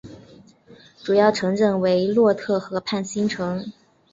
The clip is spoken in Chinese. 主要城镇为洛特河畔新城。